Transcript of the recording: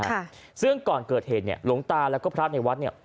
ค่ะซึ่งก่อนเกิดเหตุเนี่ยหลวงตาแล้วก็พระในวัดเนี้ย